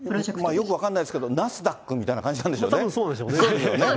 よく分かんないですけど、ナスダックみたいな感じなんでしょうね。